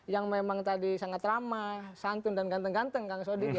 yang memang tadi sangat ramah santun dan ganteng ganteng kang sodik ya